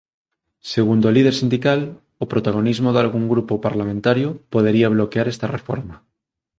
Segundo o líder sindical, "o protagonismo dalgún grupo parlamentario podería bloquear esta reforma".